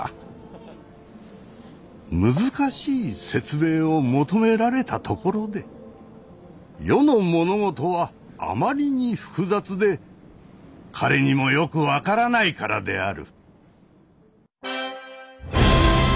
難しい説明を求められたところで世の物事はあまりに複雑で彼にもよく分からないからである。